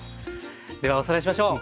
ではおさらいしましょう。